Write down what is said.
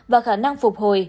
và khả năng phục hồi